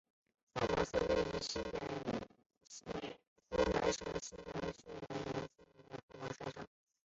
凤凰寺位于湖南省怀化市沅陵县沅江南岸的凤凰山上。